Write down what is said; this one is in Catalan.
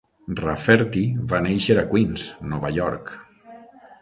Rafferty va néixer a Queens, Nova York.